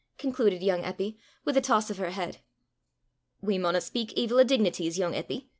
concluded young Eppy, with a toss of her head. "We maunna speyk evil o' dignities, yoong Eppy!"